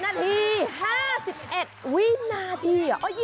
นาที๕๑วินาที